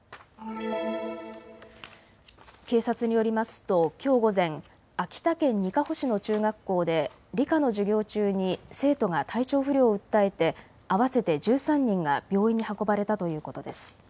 警察によりますときょう午前、秋田県にかほ市の中学校で理科の授業中に生徒が体調不良を訴えて合わせて１３人が病院に運ばれたということです。